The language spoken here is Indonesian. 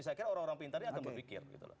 saya kira orang orang pintarnya akan berpikir